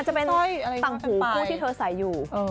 อาจจะเป็นตังผูผู้ที่เธอใส่อยู่